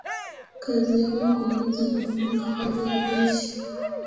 Kazi yao ni kuongoza na kupanga kazi ya jeshi.